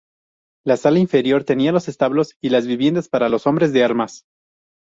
La sala inferior tenía los establos y las viviendas para los hombres de armas.